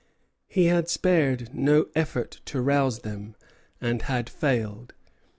He had spared no effort to rouse them, and had failed.